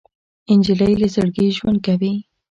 نجلۍ له زړګي ژوند کوي.